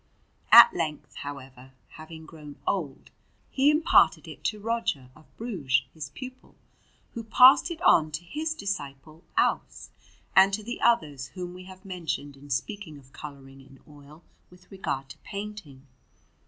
At length, however, having grown old, he imparted it to Roger of Bruges, his pupil, who passed it on to his disciple Ausse and to the others whom we have mentioned in speaking of colouring in oil with regard to painting.